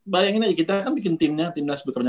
bayangin aja kita kan bikin timnya